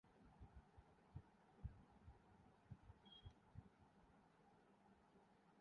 اب تم تو سب کے بارے میں میری رائے جان چکے ہو